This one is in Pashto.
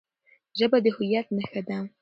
ژبه د هويت نښه ده.